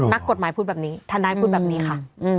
นักกฎหมายพูดแบบนี้ทนายพูดแบบนี้ค่ะ